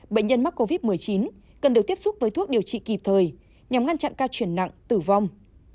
bệnh nhân mắc covid một mươi chín cần được tiếp xúc với thuốc điều trị kịp thời nhằm ngăn chặn ca chuyển nặng tử vong